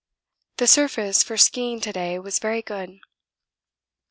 The surface for ski ing to day was very good.